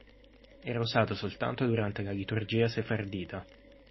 Era usato soltanto durante la liturgia sefardita.